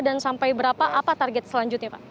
dan sampai berapa apa target selanjutnya pak